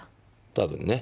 たぶんね。